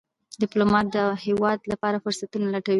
ډيپلومات د هېواد لپاره فرصتونه لټوي.